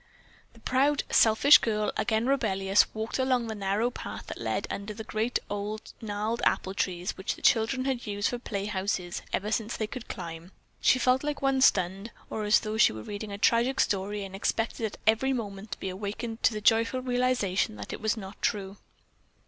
The proud, selfish girl, again rebellious, walked along the narrow path that led under the great, old, gnarled apple trees which the children had used for playhouses ever since they could climb. She felt like one stunned, or as though she were reading a tragic story and expected at every moment to be awakened to the joyful realization that it was not true.